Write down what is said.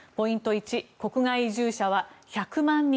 １国外移住者は１００万人